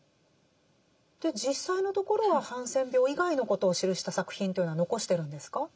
で実際のところはハンセン病以外のことを記した作品というのは残してるんですか？